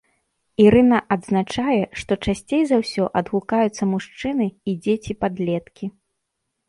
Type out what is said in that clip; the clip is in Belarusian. Ірына адзначае, што часцей за ўсё адгукаюцца мужчыны і дзеці-падлеткі.